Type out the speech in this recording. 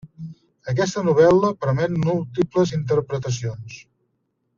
Aquesta novel·la permet múltiples interpretacions.